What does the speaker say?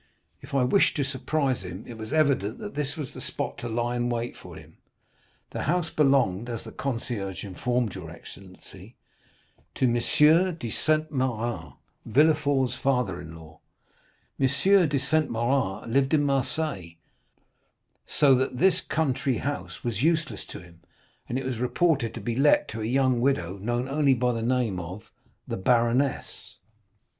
If I wished to surprise him, it was evident this was the spot to lie in wait for him. The house belonged, as the concierge informed your excellency, to M. de Saint Méran, Villefort's father in law. M. de Saint Méran lived at Marseilles, so that this country house was useless to him, and it was reported to be let to a young widow, known only by the name of 'the Baroness.